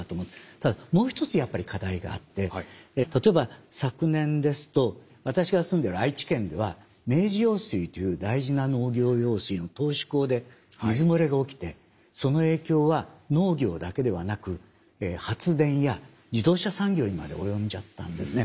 ただもう一つやっぱり課題があって例えば昨年ですと私が住んでる愛知県では明治用水という大事な農業用水の頭首工で水漏れが起きてその影響は農業だけではなく発電や自動車産業にまで及んじゃったんですね。